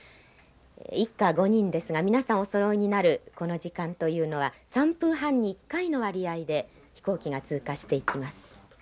一家５人ですが皆さんおそろいになるこの時間というのは３分半に１回の割合で飛行機が通過していきます。